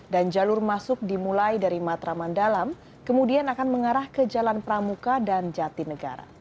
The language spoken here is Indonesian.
dan jalur masuk dimulai dari matraman dalam kemudian akan mengarah ke jalan pramuka dan jatinegara